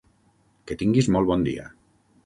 Que tinguis molt bon dia.